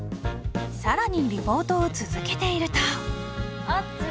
さらにリポートを続けているとおっつー